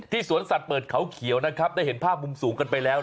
สวนสัตว์เปิดเขาเขียวนะครับได้เห็นภาพมุมสูงกันไปแล้ว